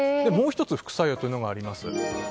もう１つ副作用というのがあります。